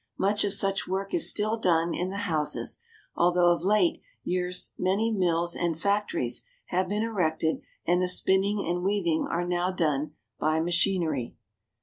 Much of such work is still done in the houses, although of late years many mills and factories have been erected, and the spinning and weaving are now done by machinery.